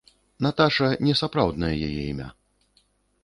Наташа не сапраўднае яе імя.